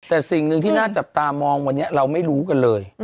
แต่สิ่งหนึ่งที่น่าจับตามองวันนี้เราไม่รู้กันเลย